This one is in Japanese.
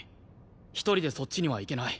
一人でそっちには行けない。